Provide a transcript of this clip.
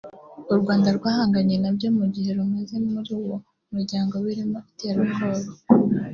u Rwanda rwahanganye nabyo mu gihe rumaze muri uwo muryango birimo iterabwoba